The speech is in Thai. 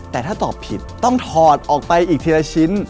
แต่ถ้าตอบผิดต้องถอดออกไปอีกทีละชิ้น